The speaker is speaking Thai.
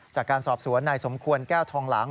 จากการสอบสวนนายสมควรแก้วทองหลัง